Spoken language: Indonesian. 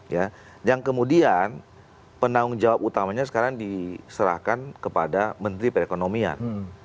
ya yang kemudian penanggung jawab utamanya sekarang diserahkan kepada menteri perekonomian